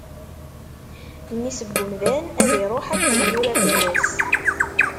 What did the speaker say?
Mmi-s n umdan ad iṛuḥ akken yura fell-as.